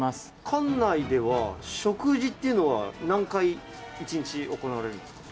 艦内では食事っていうのは、何回、１日行われるんですか？